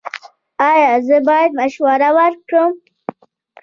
ایا زه باید مشوره ورکړم؟